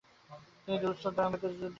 তিনি দিল্লীর সুলতানের বিরুদ্ধে বিদ্রোহ করেন।